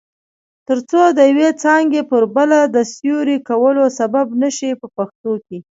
ترڅو د یوې څانګې پر بله د سیوري کولو سبب نشي په پښتو کې.